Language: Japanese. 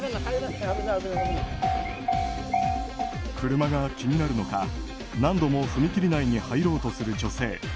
車が気になるのか何度も踏切内に入ろうとする女性。